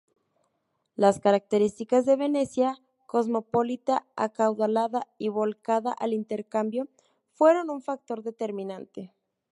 Las características de Venecia, cosmopolita, acaudalada y volcada al intercambio, fueron un factor determinante.